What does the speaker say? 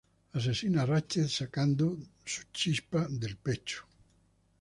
Asesina a Ratchet sacando su chispa del pecho.